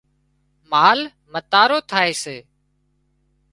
مال متارو ٿائي سي